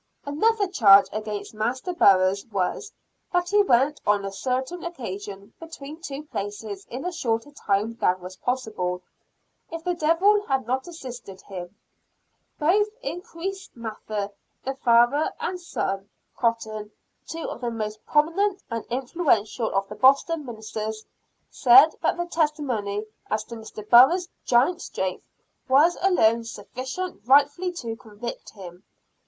Another charge against Master Burroughs was, that he went on a certain occasion between two places in a shorter time than was possible, if the Devil had not assisted him. Both Increase Mather, the father, and his son Cotton, two of the most prominent and influential of the Boston ministers, said that the testimony as to Mr. Burroughs' giant strength was alone sufficient rightfully to convict him.